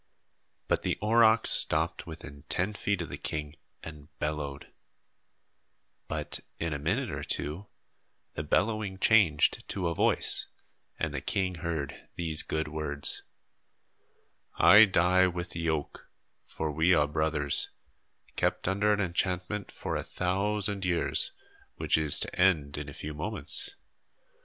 But the aurochs stopped within ten feet of the king and bellowed; but, in a minute or two, the bellowing changed to a voice and the king heard these good words: "I die with the oak, for we are brothers, kept under an enchantment for a thousand years, which is to end in a few moments.